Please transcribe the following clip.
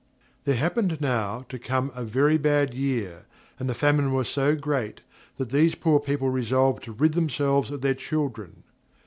There happened now to come a very bad year, and the famine was so great, that these poor people resolved to rid themselves of their children.